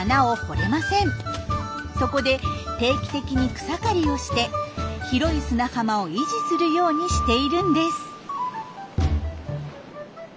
そこで定期的に草刈りをして広い砂浜を維持するようにしているんです。